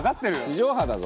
地上波だぞ。